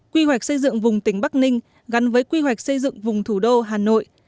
quy hoạch xây dựng vùng tỉnh bắc ninh gắn với quy hoạch xây dựng vùng thủ đô hà nội